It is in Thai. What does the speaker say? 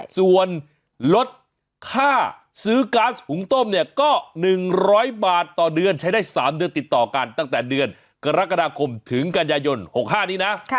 ส่วนลดค่าซื้อก๊าซหุงต้มเนี่ยก็๑๐๐บาทต่อเดือนใช้ได้๓เดือนติดต่อกันตั้งแต่เดือนกรกฎาคมถึงกันยายน๖๕นี้นะ